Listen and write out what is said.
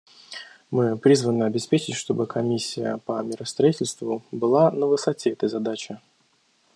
Мы призваны обеспечить, чтобы Комиссия по миростроительству была на высоте этой задачи.